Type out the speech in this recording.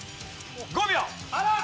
５秒！